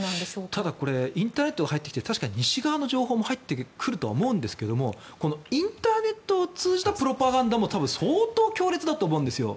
ただこれインターネットが入ってきて確かに西側の情報も入ってくるとは思うんですがインターネットを通じたプロパガンダも相当強烈だと思うんですよ。